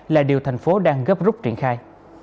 là điều thành phố đang gấp rút triển khai